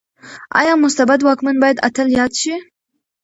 ايا مستبد واکمن بايد اتل ياد شي؟